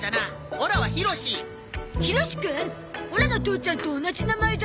オラの父ちゃんと同じ名前だ。